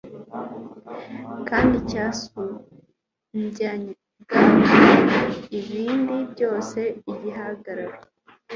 kandi cyasumbyaga ibindi byose igihagararo